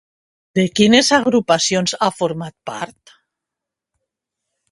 De quines agrupacions ha format part?